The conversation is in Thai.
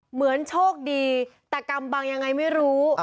เหมือนโชคดีแต่กำบังยังไงไม่รู้